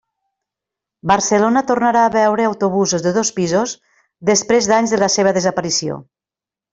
Barcelona tornarà a veure autobusos de dos pisos després d'anys de la seva desaparició.